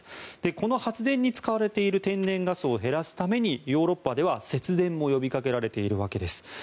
この発電に使われている天然ガスを減らすためにヨーロッパでは節電も呼びかけられているわけです。